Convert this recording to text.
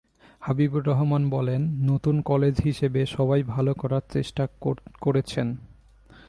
হাবিবুর রহমান বলেন, নতুন কলেজ হিসেবে সবাই ভালো করার চেষ্টা করেছেন।